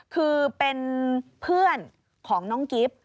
คือเป็นเพื่อนของน้องกิฟต์